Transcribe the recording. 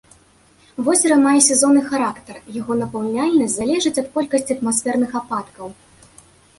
Возера мае сезонны характар, яго напаўняльнасць залежыць ад колькасці атмасферных ападкаў.